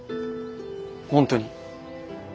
本当に。